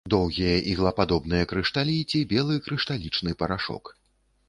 Доўгія іглападобныя крышталі ці белы крышталічны парашок.